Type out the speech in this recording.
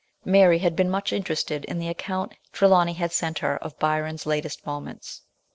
Mary had been much interested in the account Trelawny had sent her of Byron's latest moments.